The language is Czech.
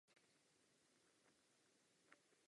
Východ státu zaujímají Velké planiny.